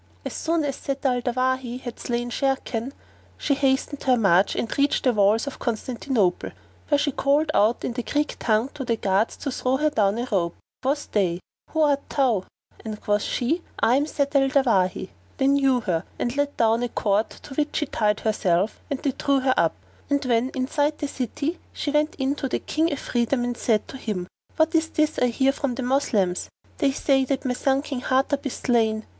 As soon as Zat al Dawahi had slain Sharrkan, she hastened her march and reached the walls of Constantinople, where she called out in the Greek tongue to the guards to throw her down a rope. Quoth they, "Who art thou?"; and quoth she, "I am Zat al Dawahi." They knew her and let down a cord to which she tied herself and they drew her up; and, when inside the city, she went in to the King Afridun and said to him, "What is this I hear from the Moslems? They say that my son King Hardub is slain."